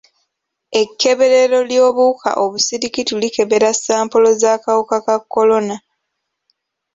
Ekkeberero ly'obuwuka obusirikitu likebera sampolo z'akawuka ka kolona.